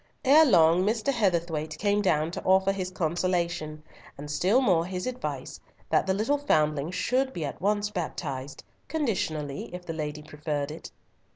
Ere long Mr. Heatherthwayte came down to offer his consolation, and still more his advice, that the little foundling should be at once baptized—conditionally, if the lady preferred it.